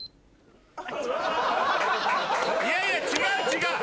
いやいや違う違う。